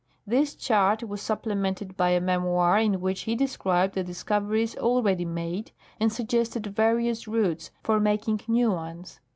This chart was supplemented by a memoir in which he described the discoveries already made and suggested various routes for making new ones.